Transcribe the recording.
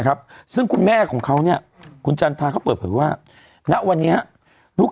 ครับซึ่งคุณแม่ของเขาเนี่ยคุณจันทราเขาเปิดเผยว่าณวันนี้ลูก